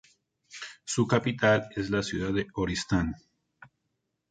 Su capital es la ciudad de Oristán.